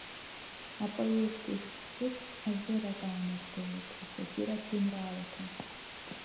Апоет ишәҟә ҿыц аӷьырак ааныркылоит асатиратә жәеинраалақәа.